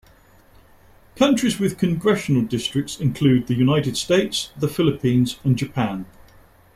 Countries with congressional districts include the United States, the Philippines, and Japan.